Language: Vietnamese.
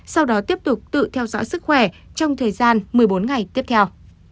sau đó tiếp tục tự theo dõi sức khỏe trong thời gian một mươi bốn ngày tiếp theo